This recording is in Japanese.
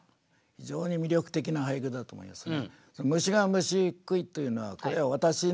非常に魅力的な俳句だと思いますね。